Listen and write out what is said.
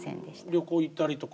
旅行行ったりとか。